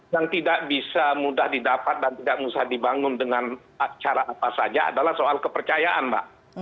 yang tidak bisa mudah didapat dan tidak usah dibangun dengan cara apa saja adalah soal kepercayaan mbak